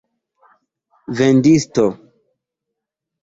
vendisto